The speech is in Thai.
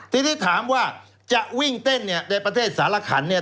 ทีนี้ถามว่าจะวิ่งเต้นเนี่ยในประเทศสารขันเนี่ย